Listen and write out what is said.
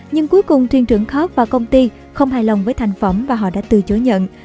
nhưng cuối cùng thuyền trưởng khark và công ty không hài lòng với thành phẩm và họ đã từ chối nhận